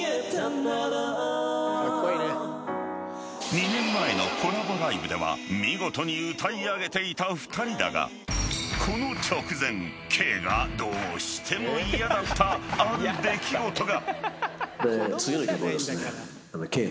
［２年前のコラボライブでは見事に歌い上げていた２人だがこの直前Ｋがどうしても嫌だったある出来事が］